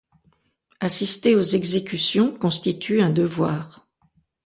Assister aux exécutions constitue un devoir.